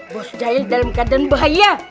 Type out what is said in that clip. bos daya dalam keadaan bahaya